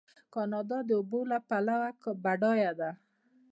کاناډا د اوبو له پلوه بډایه ده.